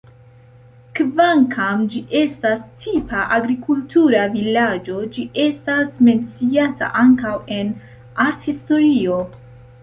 Kvankam ĝi estas tipa agrikultura vilaĝo, ĝi estas menciata ankaŭ en arthistorio.